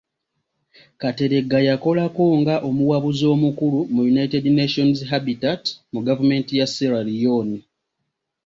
Kateregga yakolako nga omuwabuzi omukulu mu United Nations Habitat mu gavumenti ya Sierra Leone.